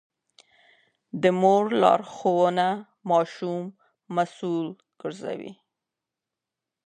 د مور لارښوونه ماشوم مسوول ګرځوي.